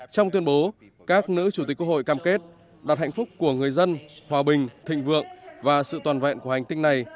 trong tuyên bố các nữ chủ tịch quốc hội cam kết đặt hạnh phúc của người dân hòa bình thịnh vượng và sự toàn vẹn của hành tinh này